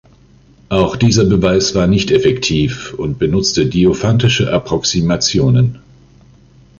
Auch dieser Beweis war nicht-effektiv und benutzte diophantische Approximationen.